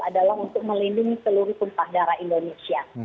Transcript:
adalah untuk melindungi seluruh tumpah darah indonesia